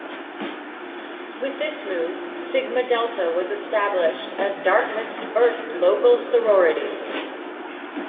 With this move, Sigma Delta was established as Dartmouth's first local sorority.